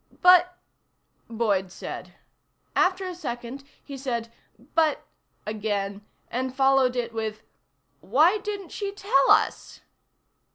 "But," Boyd said. After a second he said: "But," again, and followed it with: "Why didn't she tell us?"